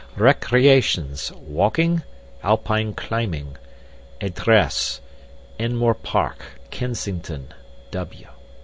Recreations: Walking, Alpine climbing. Address: Enmore Park, Kensington, W.'